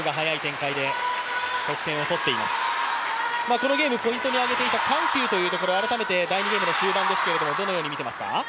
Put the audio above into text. このゲーム、ポイントに上げていた緩急というところ、改めて、第２ゲームの終盤ですけれどもどのように見ていますか？